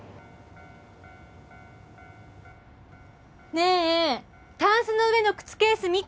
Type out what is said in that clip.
ねえタンスの上の靴ケース見た？